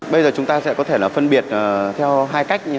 bây giờ chúng ta sẽ có thể là phân biệt theo hai cách